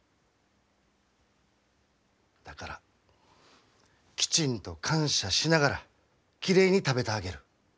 だからきちんと感謝しながらきれいに食べてあげる。